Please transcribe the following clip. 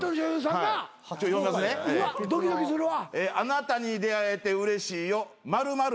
うわっドキドキするわ。